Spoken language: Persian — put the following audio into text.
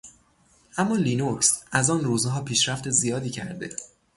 اما لینوکس از آن روزها پیشرفت زیادی کرده.